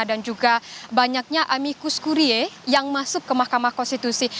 dan juga banyaknya amikus kurie yang masuk ke mahkamah konstitusi